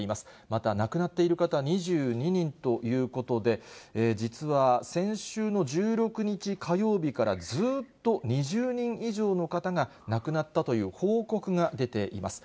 また、亡くなっている方は２２人ということで、実は先週の１６日火曜日から、ずっと２０人以上の方が亡くなったという報告が出ています。